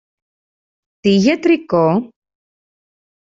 Τι γιατρικό;